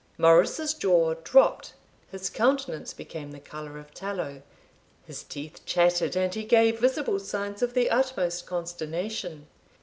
Morris's jaw dropped his countenance became the colour of tallow his teeth chattered, and he gave visible signs of the utmost consternation.